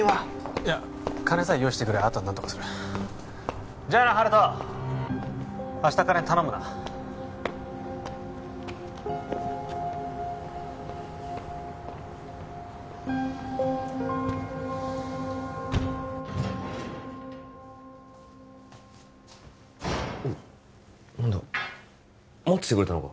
いや金さえ用意してくれればあとは何とかするじゃあな温人明日金頼むな何だ待っててくれたのか？